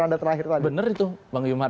anda terakhir tadi bener itu bang yumar